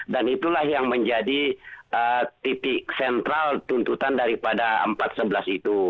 dan itulah yang menjadi titik sentral tuntutan daripada empat ratus sebelas itu